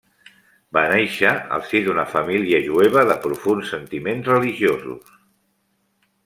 Va nàixer al si d'una família jueva de profunds sentiments religiosos.